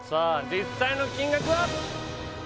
実際の金額は？